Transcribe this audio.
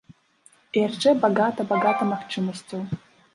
І яшчэ багата-багата магчымасцяў.